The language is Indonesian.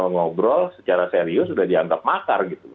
ngobrol secara serius sudah dianggap makar gitu